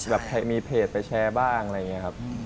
แบบมีเพจไปแชร์บ้างอะไรอย่างนี้ครับ